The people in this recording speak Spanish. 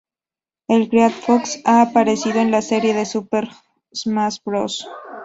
El Great Fox ha aparecido en la serie de "Super Smash Bros.